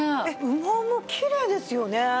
羽毛もきれいですよね。